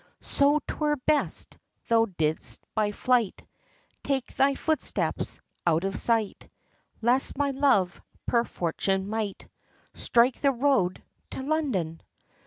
"So 'twere best, thou didst by flight, Take thy footsteps, out of sight, Lest my love, per fortune, might Strike the road, to London!